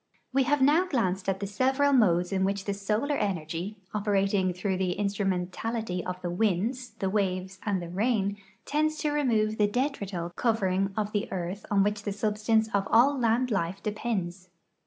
We have now glanced at the several modes in which the solar energy, operating through the instrumentalit}" of the winds, the waves, and the rain, tends to remove the detrital covering of the earth on Avhich the substance of all land life depends.